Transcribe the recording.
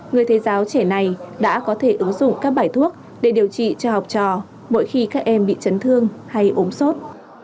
người thầy giáo trẻ này đã có thể ứng dụng các bài thuốc để điều trị cho học trò mỗi khi các em bị chấn thương hay ốm sốt